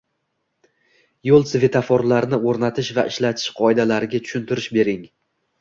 Yo‘l svetoforlarini o‘rnatish va ishlatish qoidalariga tushuntirish bering?